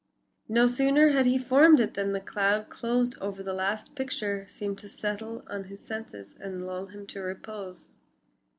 No sooner had he formed it than the cloud closed over the last picture seemed to settle on his senses and lull him to repose.